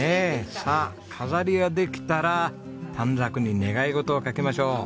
さあ飾りができたら短冊に願い事を書きましょう。